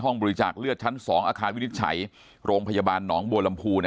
บริจาคเลือดชั้น๒อาคารวินิจฉัยโรงพยาบาลหนองบัวลำพู